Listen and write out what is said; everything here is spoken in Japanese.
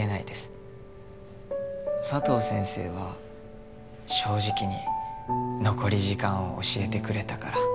佐藤先生は正直に残り時間を教えてくれたから。